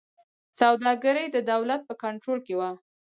سوداګري د دولت په کنټرول کې وه.